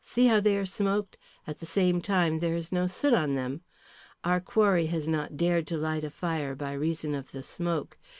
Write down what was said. "See how they are smoked; at the same time there is no soot on them. Our quarry has not dared to light a fire by reason of the smoke.